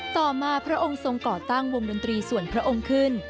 ต่อมาพระองค์ทรงก่อตั้งวงดนตรีส่วนพระองค์ขึ้น